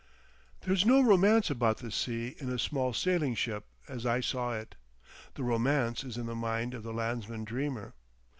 There's no romance about the sea in a small sailing ship as I saw it. The romance is in the mind of the landsman dreamer.